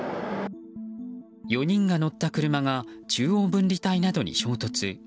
４人が乗った車が中央分離帯などに衝突。